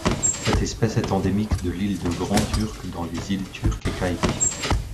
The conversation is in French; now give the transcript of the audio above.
Cette espèce est endémique de l'île de Grand Turk dans les Îles Turques-et-Caïques.